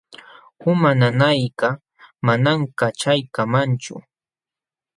Uma nanaykaq manam kaćhaykamanchu.